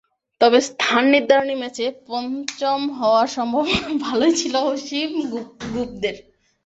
তবে স্থান নির্ধারণী ম্যাচে অন্তত পঞ্চম হওয়ার সম্ভাবনা ভালোই ছিল অসীম গোপদের।